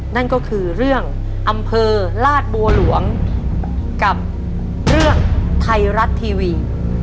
นั่นก็คือเรื่องอำเภอลาดบัวหลวงกับเรื่องไทยรัฐทีวี